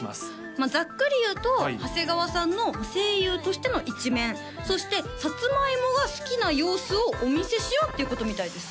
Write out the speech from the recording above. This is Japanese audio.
まあざっくりいうと長谷川さんの声優としての一面そしてさつまいもが好きな様子をお見せしようということみたいです